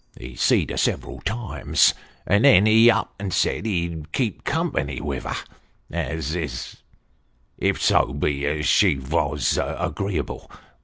He seed her several times, and then he up and said he'd keep company with her, if so be as she vos agreeable.